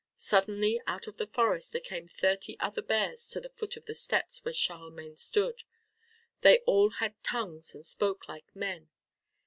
Suddenly out of the forest there came thirty other bears to the foot of the steps where Charlemagne stood. They all had tongues and spoke like men.